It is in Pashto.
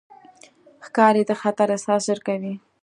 ښکاري د خطر احساس ژر کوي.